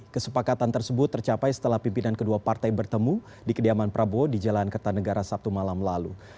kesepakatan tersebut tercapai setelah pimpinan kedua partai bertemu di kediaman prabowo di jalan kertanegara sabtu malam lalu